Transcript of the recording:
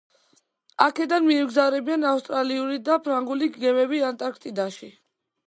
აქედან მიემგზავრებიან ავსტრალიური და ფრანგული გემები ანტარქტიდაში.